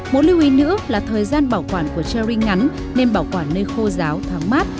một lưu ý nữa là thời gian bảo quản của cherry ngắn nên bảo quản nên khô giáo thoáng mát